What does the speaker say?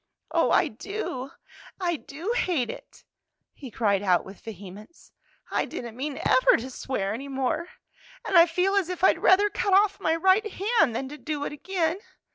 "Oh, I do, I do hate it!" he cried out with vehemence. "I didn't mean ever to swear any more, and I feel as if I'd rather cut off my right hand than to do it again!